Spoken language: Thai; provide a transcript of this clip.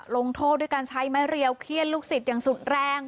ลงโทษด้วยการใช้ไม้เรียวเขี้ยนลูกศิษย์อย่างสุดแรง